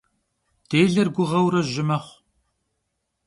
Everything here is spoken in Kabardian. Dêler guğeure jı mexhu.